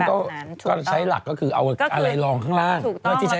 ก็ใช้หลักก็คือเอาอะไรรองข้างล่างแล้วก็ลอยน้ำ